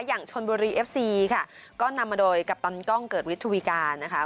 อย่างชนบุรีเอฟซีค่ะก็นำมาโดยกัปตันกล้องเกิดวิทวีการนะคะ